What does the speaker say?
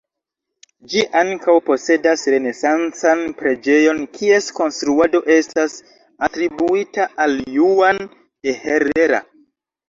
Ĝi ankaŭ posedas renesancan preĝejon kies konstruado estas atribuita al Juan de Herrera.